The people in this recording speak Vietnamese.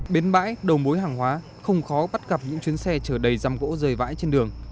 bến bãi đầu mối hàng hóa không khó bắt gặp những chuyến xe chở đầy giam gỗ rời vãi trên đường